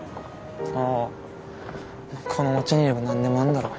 あぁまあこの街にいれば何でもあんだろ。